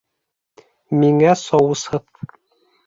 Миңә соусһыҙ